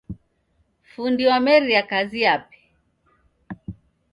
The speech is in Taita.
Fundi wameria kazi yape